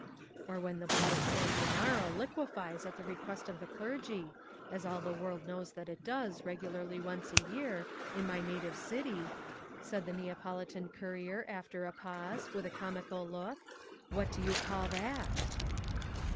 'Or when the blood of San Gennaro liquefies at the request of the clergy—as all the world knows that it does regularly once a year, in my native city,' said the Neapolitan courier after a pause, with a comical look, 'what do you call that?